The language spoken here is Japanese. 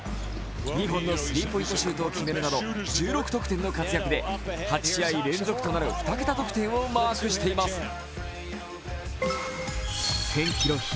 ２本のスリーポイントシュートを決めるなど１６得点の活躍で８試合連続となる２桁得点をマークしています。